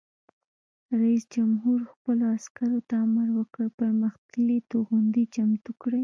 رئیس جمهور خپلو عسکرو ته امر وکړ؛ پرمختللي توغندي چمتو کړئ!